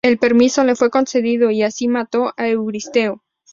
El permiso le fue concedido y así mató a Euristeo.